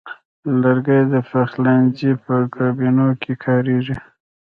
لرګی د پخلنځي په کابینو کې کاریږي.